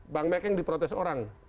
bang mekeng diprotes orang